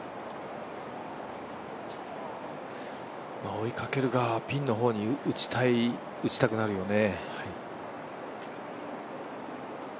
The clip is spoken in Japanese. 追いかける側はピンの方に打ちたくなるよね。